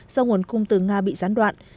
do nguồn cung từ nga bị gián đoạn